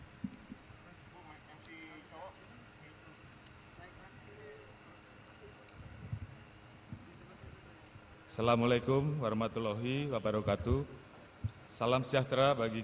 untuk bisa memperoleh kesempatan di sekitar enam belas rubaway untuk diungkil kondisi dalam sekitar bonnie k effectivement ya